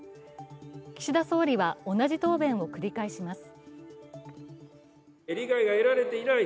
岸田総理は同じ答弁を繰り返します。